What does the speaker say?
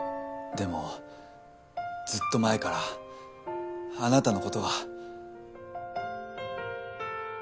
でもずっと前からあなたの事が。